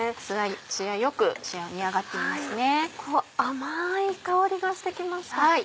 甘い香りがして来ました。